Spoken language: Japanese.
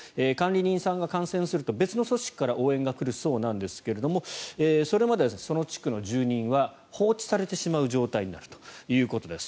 管理人さんが感染すると別の組織から応援が来るそうなんですがそれまではその地区の住民は放置されてしまう状態になるということです。